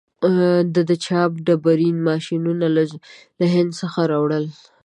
ده د چاپ ډبرین ماشینونه له هند څخه راوړل.